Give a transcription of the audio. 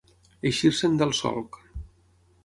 Eixir-se'n del solc.